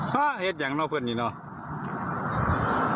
ฮ่าเห็นอย่างน้อยเพื่อนนี่น่ะ